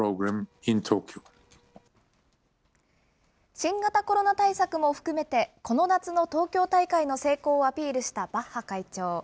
新型コロナ対策も含めて、この夏の東京大会の成功をアピールしたバッハ会長。